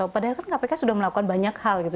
padahal kan kpk sudah melakukan banyak hal gitu